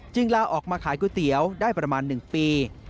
จึงลาออกมาขายก๋วยเตี๋ยวได้ประมาณหนึ่งปี